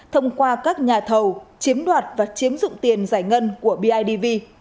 thông qua các nhà thầu chiếm đoạt và chiếm dụng tiền giải ngân của bidv